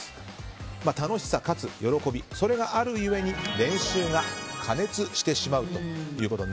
楽しさ、勝つ喜びそれがある故に練習が過熱してしまうということ。